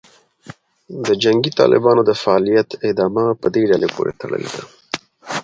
د جنګي طالبانو د فعالیت ادامه په دې ډلې پورې تړلې ده